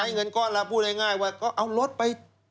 จะใช้เงินก็เราพูดง่ายว่าเอารถไป